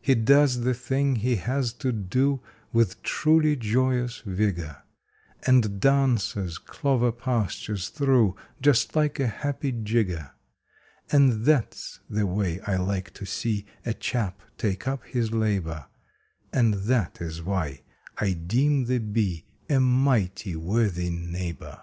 He does the thing he has to do with truly joyous vigor, And dances clover pastures through just like a happy jigger. And that s the way I like to see a chap take up his labor, And that is why I deem the Bee a mighty worthy neighbor!